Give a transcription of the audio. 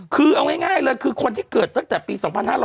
คือเอาง่ายเลยคือคนที่เกิดตั้งแต่ปี๒๕๕๙